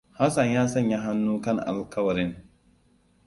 Hassan ya sanya hannu kan alƙawarin.